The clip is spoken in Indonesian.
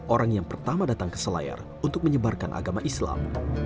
orang yang pertama datang ke selayar untuk menyebarkan agama islam